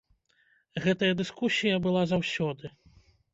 Гэтая дыскусія была заўсёды.